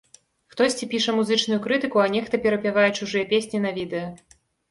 Хтосьці піша музычную крытыку, а нехта перапявае чужыя песні на відэа.